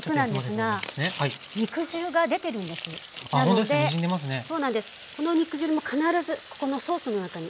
この肉汁も必ずここのソースの中に入れて下さい。